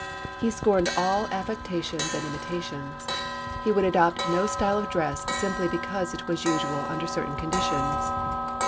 He scorned all affectations and imitations. He would adopt no style of dress simply because it was usual under certain conditions.